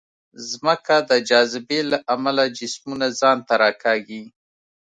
ځمکه د جاذبې له امله جسمونه ځان ته راکاږي.